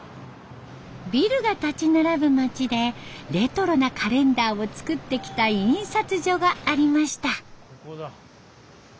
ビルが立ち並ぶ町でレトロなカレンダーを作ってきた印刷所がありました。